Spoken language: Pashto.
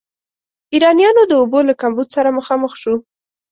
ایرانیانو د اوبو له کمبود سره مخامخ شو.